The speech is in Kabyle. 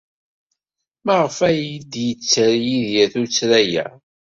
Maɣef ay d-yetter Yidir tuttra-a?